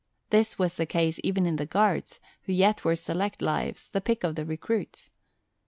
This was the case even in the Guards, who yet were select lives, the pick of the recruits.